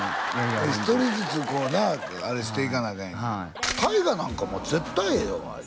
ホント一人ずつこうなあれしていかなあかんやん太賀なんかもう絶対ええよアイツ